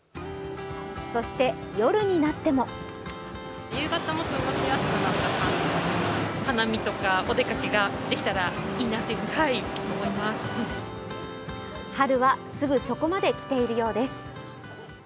そして夜になっても春はすぐそこまで来ているようです。